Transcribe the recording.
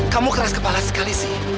kamu keras kepala sekali sih